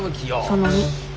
その２。